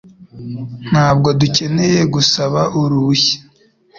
Ntabwo dukeneye gusaba uruhushya